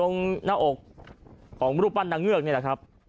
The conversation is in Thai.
น้าอก๓๖๐รูปปั้นนางเงือก